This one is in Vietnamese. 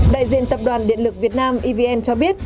đại diện tập đoàn điện lực việt nam evn cho biết